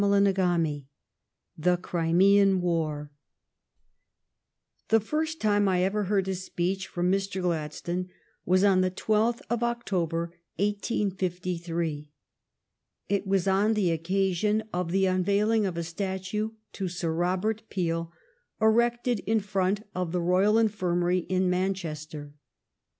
CHAPTER XVI THE CRIMEAN WAR The first time I ever heard a speech from Mr. Gladstone was on the twelfth of October, 1853. It was on the occasion of the unveiling of a statue to Sir Robert Peel, erected in front of the Royal Infirmary in Manchester.